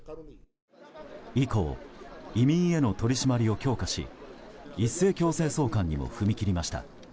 以降、移民への取り締まりを強化し一斉強制送還にも踏み切りました。